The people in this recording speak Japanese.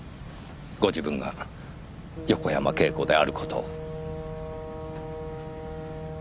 ご自分が横山慶子である事を。